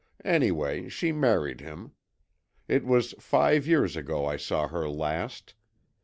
Anyway, she married him. It was five years ago I saw her last.